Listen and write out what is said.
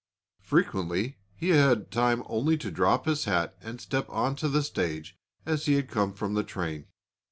Frequently he had time only to drop his hat and step on to the stage as he had come from the train.